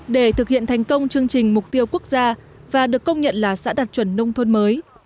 để thực hiện thành công chương trình mục tiêu quốc gia và được công nhận là xã đạt chuẩn nông thôn mới